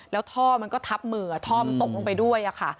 แล้วท่อมันก็ทับเหมือท่อมันตกลงไปด้วย